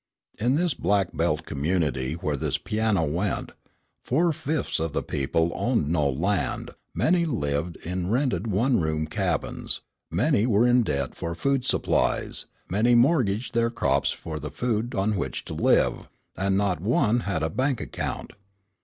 In this "Black Belt" community where this piano went, four fifths of the people owned no land, many lived in rented one room cabins, many were in debt for food supplies, many mortgaged their crops for the food on which to live, and not one had a bank account.